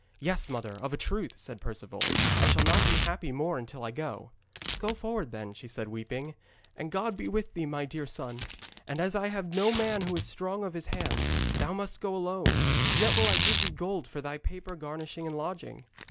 'Yes, mother, of a truth,' said Perceval. 'I shall not be happy more until I go.' 'Go forward, then,' she said weeping, 'and God be with thee, my dear son. And as I have no man who is strong of his hands, thou must go alone, yet will I give thee gold for thy proper garnishing and lodging.